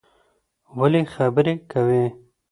ولی خبری کوی